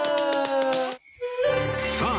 さあ